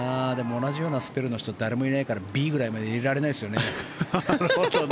同じようなスペルの人いるからＢくらいまで入れられないかな。